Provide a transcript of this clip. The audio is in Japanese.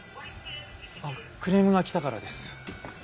あクレームが来たからです。